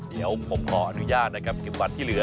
เดี๋ยวผมขออนุญาตนะครับเก็บบัตรที่เหลือ